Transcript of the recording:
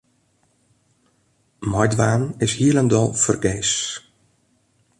Meidwaan is hielendal fergees.